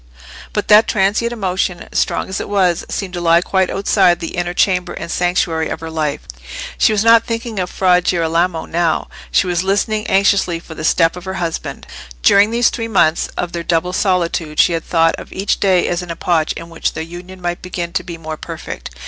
But that transient emotion, strong as it was, seemed to lie quite outside the inner chamber and sanctuary of her life. She was not thinking of Fra Girolamo now; she was listening anxiously for the step of her husband. During these three months of their double solitude she had thought of each day as an epoch in which their union might begin to be more perfect.